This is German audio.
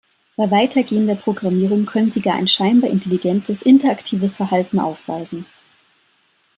Bei weitergehender Programmierung können sie gar ein scheinbar intelligentes, interaktives Verhalten aufweisen.